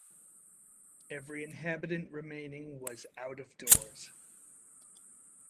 Every inhabitant remaining was out of doors.